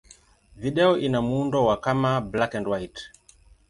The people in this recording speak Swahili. Video ina muundo wa kama black-and-white.